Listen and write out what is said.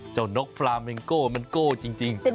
ชั้นสาวฟางโพนันโก้จริง